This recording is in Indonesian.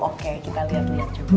oke kita lihat lihat